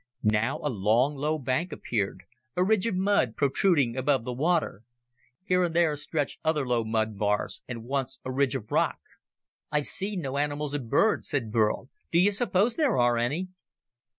Now a long, low bank appeared, a ridge of mud protruding above the water. Here and there stretched other low mud bars, and once a ridge of rock. "I've seen no animals or birds," said Burl. "Do you suppose there are any?"